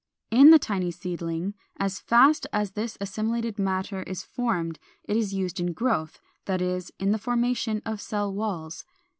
In the tiny seedling, as fast as this assimilated matter is formed it is used in growth, that is, in the formation of cell walls.